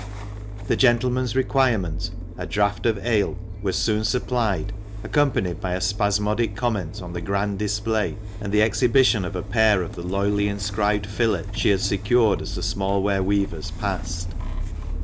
The gentlemen's requirement, a "draught of ale," was soon supplied, accompanied by a spasmodic comment on the "gand display," and the exhibition of a pair of the loyally inscribed fillets she had secured as the smallware weavers passed.